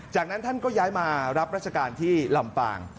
จากนั้นท่านก็ย้ายมารับราชการที่ลำปาง